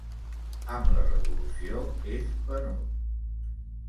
Amb la revolució és venut.